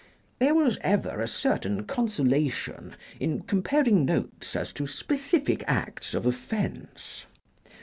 There was ever a certain consolation in comparing notes as to specific acts of offence.